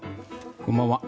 こんばんは。